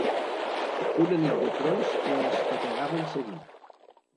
Una nit de trons que espetegaven seguit.